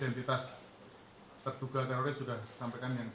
karena ini akan mengganggu operasi berikutnya